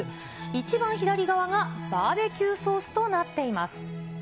一番左側がバーベキューソースとなっています。